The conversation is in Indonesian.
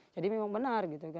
jadi memang benar gitu kan